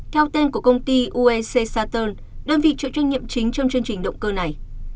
theo tên của công ty usc saturn đơn vị trợ trách nhiệm chính trong chương trình động cơ này